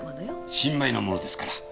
新米なものですから。